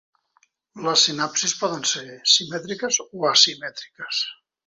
Les sinapsis poden ser simètriques o asimètriques.